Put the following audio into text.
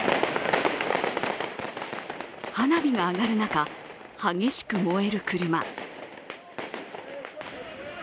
花火が上がる中激しく燃える車。